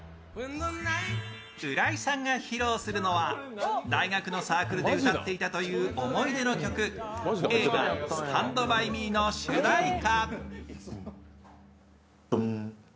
浦井さんが披露するのは大学のサークルで歌っていたという思い出の曲、映画「ＳｔａｎｄｂｙＭｅ」の主題歌。